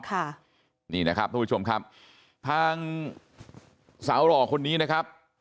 ค่ะนี่นะครับทุกผู้ชมครับทางสาวหล่อคนนี้นะครับ